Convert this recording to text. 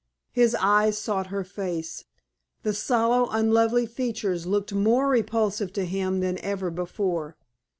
His eyes sought her face; the sallow, unlovely features looked more repulsive to him than ever before.